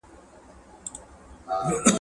تفاهم پرته له خبرو اترو منځ ته نه راځي.